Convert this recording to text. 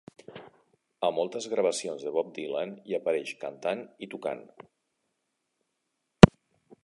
A moltes gravacions de Bob Dylan hi apareix cantant i tocant.